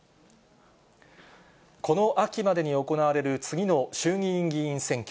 この秋までに行われる次の衆議院議員選挙。